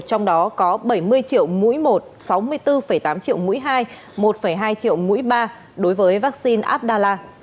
trong đó có bảy mươi triệu mũi một sáu mươi bốn tám triệu mũi hai một hai triệu mũi ba đối với vaccine abdallah